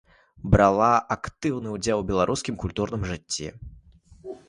Брала актыўны ўдзел у беларускім культурным жыцці.